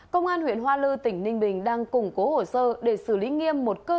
công an huyện hoa lư tỉnh ninh bình đang củng cố hồ sơ để xử lý nghiêm một cơ sở